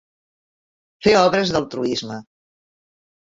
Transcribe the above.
Fer obres d'altruisme